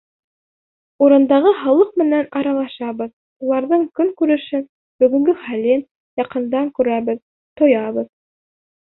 Урындағы халыҡ менән аралашабыҙ, уларҙың көнкүрешен, бөгөнгө хәлен яҡындан күрәбеҙ, тоябыҙ.